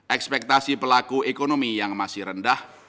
ekspektasi pelaku ekonomi yang masih rendah